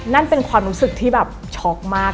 นั่นเป็นความรู้สึกที่แบบช็อกมาก